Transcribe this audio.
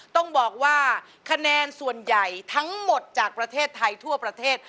ต้องบอกว่าคะแนนส่วนใหญ่ทั้งหมดจากประเทศไทยทั่วประเทศ